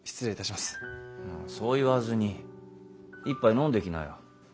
まあそう言わずに一杯飲んでいきなよ。